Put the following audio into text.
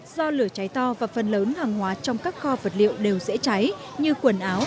do lửa cháy to và phần lớn hàng hóa trong các kho vật liệu đều dễ cháy như quần áo